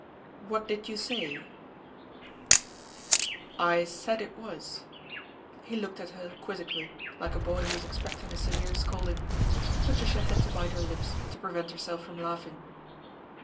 " What did you say ?"" I said it was." He looked at her quizzically, like a boy who is expecting a severe scolding. Patricia had to bite her lips to prevent herself from laughing.